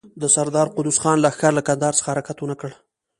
د سردار قدوس خان لښکر له کندهار څخه حرکت ونه کړ.